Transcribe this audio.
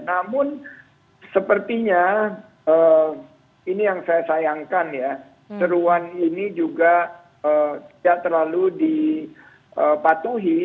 namun sepertinya ini yang saya sayangkan ya seruan ini juga tidak terlalu dipatuhi